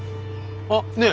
あっねえ